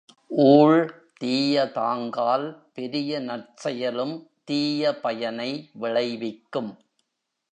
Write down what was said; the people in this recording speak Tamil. ஊழ் தீயதாங்கால் பெரிய நற்செயலும் தீய பயனை விளைவிக்கும்.